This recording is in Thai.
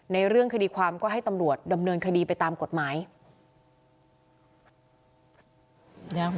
เรื่องคดีความก็ให้ตำรวจดำเนินคดีไปตามกฎหมาย